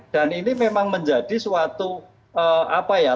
dan ini memang menjadi suatu apa ya